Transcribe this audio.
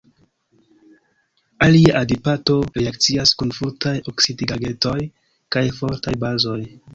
Alila adipato reakcias kun fortaj oksidigagentoj kaj fortaj bazoj.